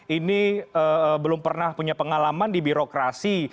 ini belum pernah punya pengalaman di birokrasi